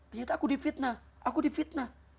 ternyata aku di fitnah